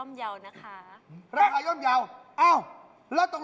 แสงแดงชู่แดง